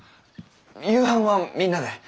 夕飯はみんなで。